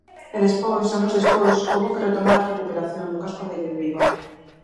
E despois, anos despois, houbo que retomar a recuperación do casco vello de Vigo.